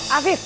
jadi pis dipo